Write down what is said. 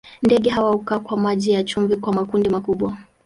Ndege hawa hukaa kwa maji ya chumvi kwa makundi makubwa.